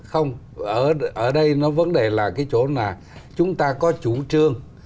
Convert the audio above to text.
không ở đây nó vấn đề là cái chỗ là chúng ta có chủ trương